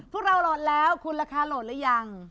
พวกเราโหลดแล้วคุณราคาโหลดหรือยัง